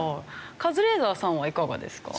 カズレーザーさんはいかがですか？